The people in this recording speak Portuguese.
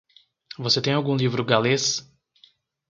Você tem algum livro galês?